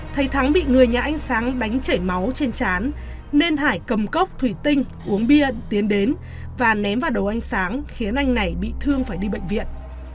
thấy thắng bị người nhà anh sáng đánh chảy máu trên chán nên hải cầm cốc thủy tinh uống bia tiến đến và ném vào đầu anh sáng khiến anh này bị thương phải đi bệnh viện